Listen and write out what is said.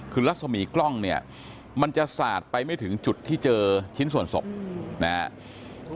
คือรัศมีกล้องเนี่ยมันจะสาดไปไม่ถึงจุดที่เจอชิ้นส่วนศพนะครับ